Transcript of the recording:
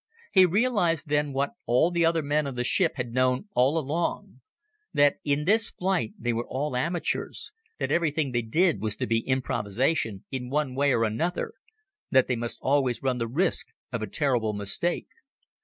He realized then what all the other men on the ship had known all along that in this flight they were all amateurs, that everything they did was to be improvisation in one way or another, that they must always run the risk of a terrible mistake.